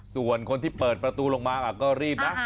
ส่วนคนที่เปิดประตูลงมาก็รีบนะ